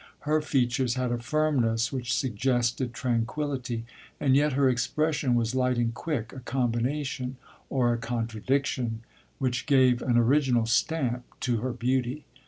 Her features had a firmness which suggested tranquillity, and yet her expression was light and quick, a combination or a contradiction which gave an original stamp to her beauty.